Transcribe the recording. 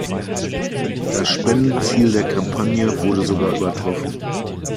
Das Spendenziel der Kampagne wurde sogar übertroffen.